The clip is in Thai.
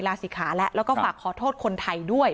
ลาศิกขาและฝากขอโทษคนไทยด้วย